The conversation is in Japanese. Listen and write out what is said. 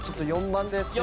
４番です。